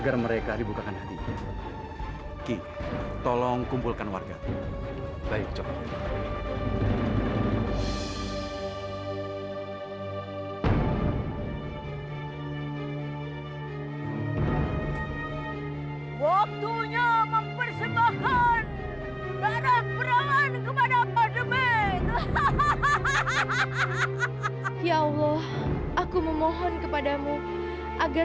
sampai jumpa di video selanjutnya